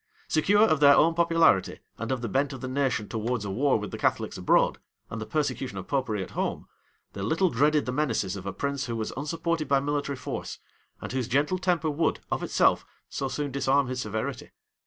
Secure of their own popularity, and of the bent of the nation towards a war with the Catholics abroad, and the persecution of Popery at home, they little dreaded the menaces of a prince who was unsupported by military force, and whose gentle temper would, of itself, so soon disarm his severity.